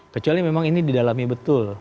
kecuali memang ini didalami betul